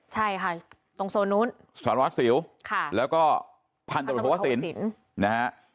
ใช่ค่ะตรงโซนนู้นศาลวัฒนศิลป์ค่ะแล้วก็พันธุระโทษศิลป์นะฮะ